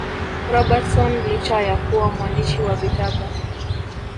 Robertson licha ya kuwa mwandishi wa vitabu